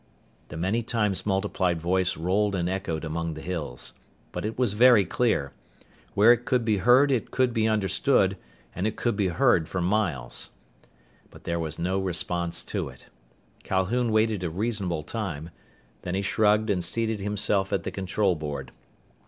The many times multiplied voice rolled and echoed among the hills. But it was very clear. Where it could be heard it could be understood, and it could be heard for miles. But there was no response to it. Calhoun waited a reasonable time. Then he shrugged and seated himself at the control board.